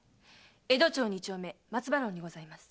江戸町二丁目「松葉廊」にございます。